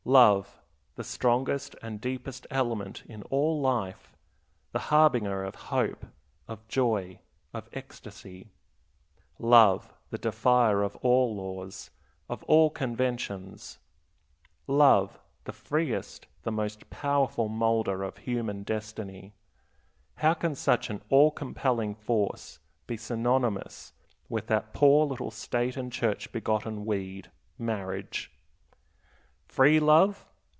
Love, the strongest and deepest element in all life, the harbinger of hope, of joy, of ecstasy; love, the defier of all laws, of all conventions; love, the freest, the most powerful moulder of human destiny; how can such an all compelling force be synonymous with that poor little State and Church begotten weed, marriage? Free love?